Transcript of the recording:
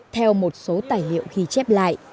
theo một số tài liệu khi chép lại